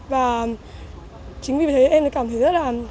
và chính vì thế em cảm thấy rất là